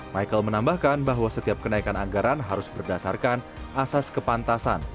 michael menambahkan bahwa setiap kenaikan anggaran harus berdasarkan asas kepantasan